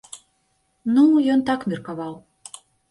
Ну, ён так меркаваў.